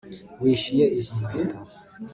wishyuye izo nkweto